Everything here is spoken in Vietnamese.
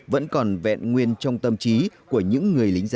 vẫn còn vẹn nguyên trong tâm trí của những người lính